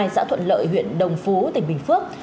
xã thuận lợi huyện đồng phú tỉnh bình phước